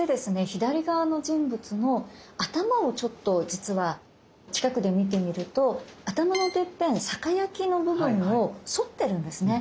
左側の人物の頭をちょっと実は近くで見てみると頭のてっぺん月代の部分をそってるんですね。